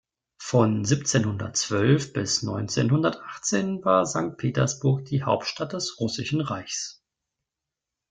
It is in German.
Von siebzehnhundertzwölf bis neunzehnhundertachtzehn war Sankt Petersburg die Hauptstadt des Russischen Reichs.